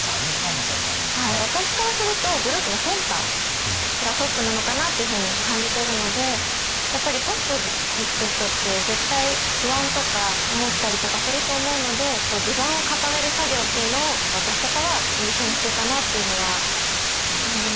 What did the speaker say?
私からするとグループのセンターがトップなのかなっていうふうに感じてるのでやっぱりトップにつく人って絶対不安とか思ったりとかすると思うので地盤を固める作業っていうのを私とかは優先してたなっていうのは感じますね。